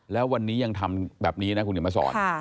แล้ววันนี้ยังทำแบบนี้นะคุณเขียนมาสอน